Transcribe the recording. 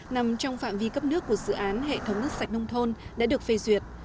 nằm trong phạm vi cấp nước của dự án hệ thống nước sạch nông thôn đã được phê duyệt